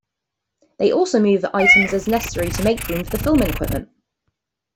They also move items as necessary to make room for the filming equipment.